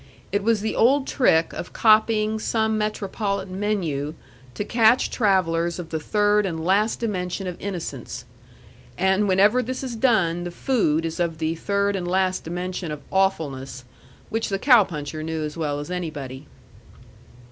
It was the old trick of copying some metropolitan menu to catch travellers of the third and last dimension of innocence; and whenever this is done the food is of the third and last dimension of awfulness, which the cow puncher knew as well as anybody.